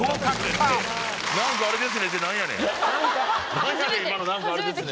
何やねん今の「何かアレですね」